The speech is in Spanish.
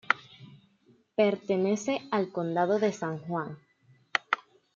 Pertenece al condado de San Juan.